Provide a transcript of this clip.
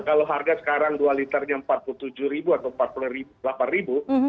kalau harga sekarang dua liternya rp empat puluh tujuh atau rp empat puluh delapan